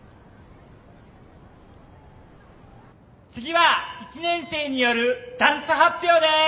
次は１年生によるダンス発表です。